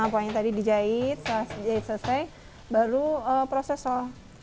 polanya tadi dijahit jahit selesai baru proses sol